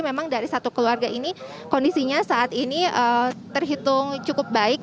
memang dari satu keluarga ini kondisinya saat ini terhitung cukup baik